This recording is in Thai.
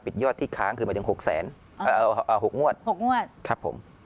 ปิดยอดที่ค้างคือมาถึงหกแสนอ่าหกงวดหกงวดครับผม